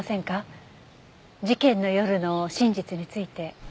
事件の夜の真実について。